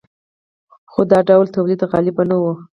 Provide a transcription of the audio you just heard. خو دا ډول تولید غالب نه و.